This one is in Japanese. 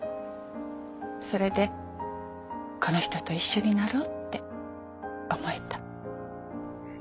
それでこの人と一緒になろうって思えた。